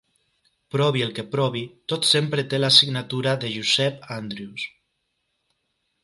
Provi el que provi, tot sempre té la signatura de Giuseppe Andrews.